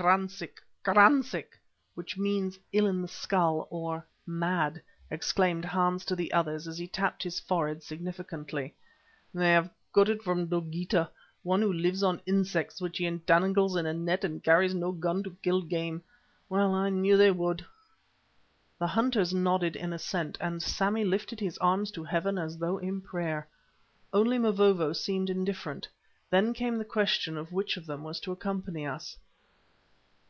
"Kransick! Kransick!" which means "ill in the skull," or "mad," exclaimed Hans to the others as he tapped his forehead significantly. "They have caught it from Dogeetah, one who lives on insects which he entangles in a net, and carries no gun to kill game. Well, I knew they would." The hunters nodded in assent, and Sammy lifted his arms to Heaven as though in prayer. Only Mavovo seemed indifferent. Then came the question of which of them was to accompany us.